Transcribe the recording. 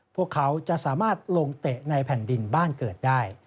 พวกเขาจะสามารถลงเตะในแผ่นดินบ้านเกิดได้